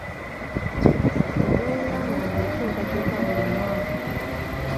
Ebbeeyi y'amanda ekyukakyuka buli mwaka.